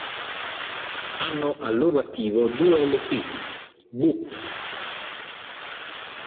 Hanno al loro attivo due lp: "Boop!